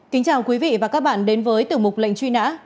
kính chào quý vị và các bạn đến với tiểu mục lệnh truy nã